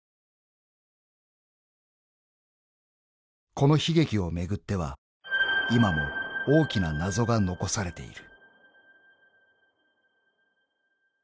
［この悲劇を巡っては今も大きな謎が残されている］